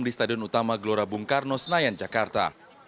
di stadion utama gelora bung karno senayan jakarta